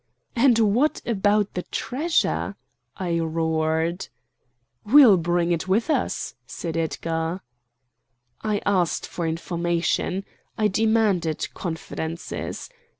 "And what about the treasure?" I roared. "We'll' bring it with us," said Edgar. I asked for information. I demanded confidences.